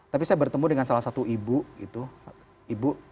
tapi saya bertemu dengan salah satu ibu gitu ibu